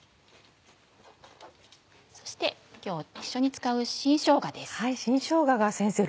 そして今日一緒に使う新しょうがです。